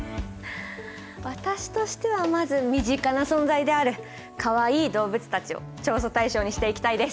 私としてはまず身近な存在であるかわいい動物たちを調査対象にしていきたいです。